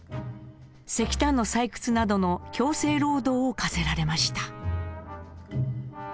石炭の採掘などの強制労働を課せられました。